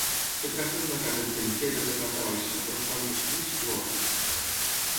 Es tracta d'una casa entre mitgeres de planta baixa, dues plantes pis i golfes.